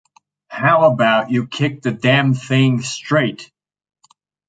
How about you kick the damn thing straight?